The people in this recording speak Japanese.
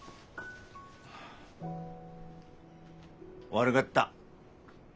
悪がった。